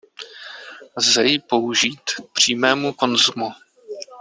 Lze ji použít k přímému konzumu.